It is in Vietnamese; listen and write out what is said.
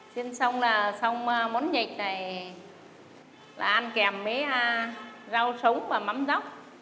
chiên xong là xong món nhạch này là ăn kèm với rau sống và mắm dốc